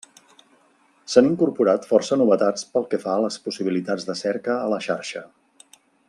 S'han incorporat força novetats pel que fa a les possibilitats de cerca a la xarxa.